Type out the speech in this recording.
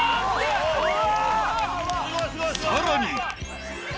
さらに！